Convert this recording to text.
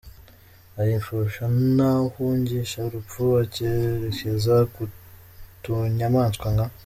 Ay’impfusha n’ahungisha urupfu akerekeza ku tunyamaswa nka :.